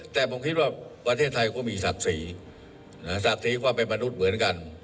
แต่ผมคิดว่าประเทศไทยก็มีศักดิ์ศรีศักดิ์ศรีความเป็นมนุษย์เหมือนกัน